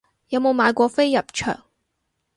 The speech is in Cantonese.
有冇買過飛入場